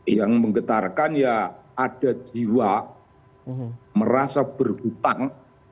yang menggetarkan ya ada jiwa merasa berhutang